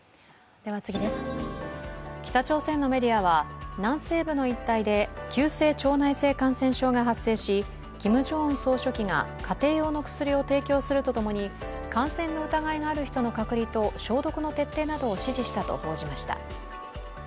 北朝鮮のメディアは南西部の一帯で急性腸内性感染症が発生し、キム・ジョンウン総書記が家庭用の薬を提供すると共に感染の疑いがある人の隔離と消毒の徹底を指示したと報道しました。